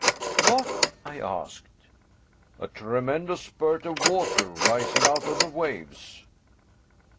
"What?" I asked. "A tremendous spurt of water rising out of the waves."